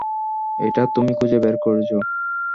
এটা তুমি খুঁজে বের করেছো।